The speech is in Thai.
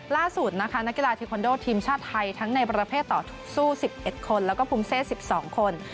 ล่าสุดนะคะนักกีฬาเทคอนโดทีมชาติไทยทั้งในประเภทต่อสู้๑๑คนแล้วก็ภูมิเซ๑๒คน